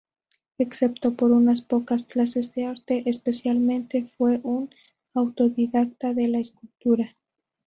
Excepto por unas pocas clases de arte, esencialmente fue un autodidacta de la escultura.